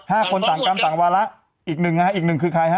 ห้าคนต่างกรรมต่างวาระอีกหนึ่งฮะอีกหนึ่งคือใครฮะ